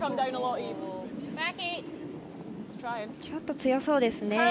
ちょっと強そうですね。